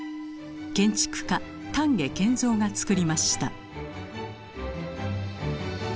建築家丹下健三が作りました。